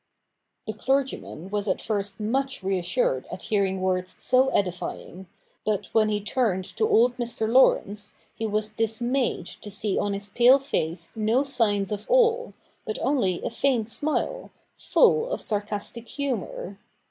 ' The clergyman was at first much reassured at hearing words so edifying ; but when he turned to old Mr. Laurence, he was dismayed to see on his pale face no signs of awe, but only a faint smile, full of sarcastic humour.